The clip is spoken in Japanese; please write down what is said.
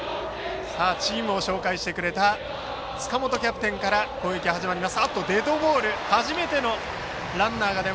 チームを紹介してくれた塚本キャプテンから攻撃が始まります。